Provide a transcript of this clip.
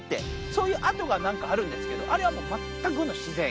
そういう跡がなんかあるんですけど、あれはもう、全くの自然？